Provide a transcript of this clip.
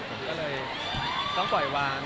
ผมก็เลยต้องปล่อยวาง